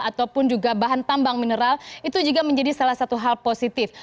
ataupun juga bahan tambang mineral itu juga menjadi salah satu hal positif